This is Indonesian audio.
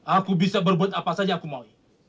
aku bisa berbuat apa saja aku mau